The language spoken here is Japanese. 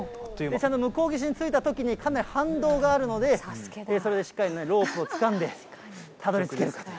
向こう岸に着いたときにかなり反動があるので、それでしっかりロープをつかんで、たどりつけるか。